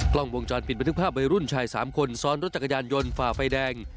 กล้องวงจรปิดบันทึกภาพวัยรุ่นชาย๓คนซ้อนรถจักรยานยนต์ฝ่าไฟแดง